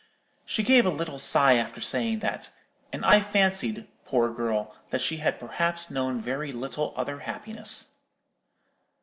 She gave a little sigh after saying that; and I fancied, poor girl, that she had perhaps known very little other happiness.'